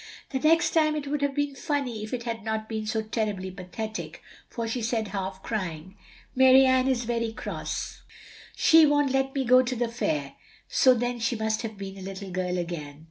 "The next time it would have been funny if it had not been so terribly pathetic, for she said half crying, 'Mary Ann is very cross. She won't let me go to the fair, ' so then she must have been a little girl again.